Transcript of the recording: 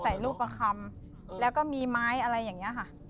ใส่รูปประคำแล้วก็มีไม้อะไรอย่างนี้ค่ะ